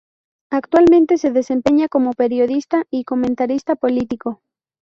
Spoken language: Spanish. Actualmente se desempeña como periodista y comentarista político.